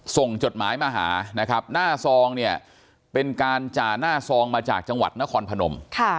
จดหมายมาหานะครับหน้าซองเนี่ยเป็นการจ่าหน้าซองมาจากจังหวัดนครพนม